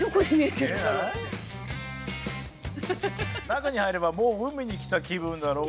中に入ればもう海に来た気分だろ？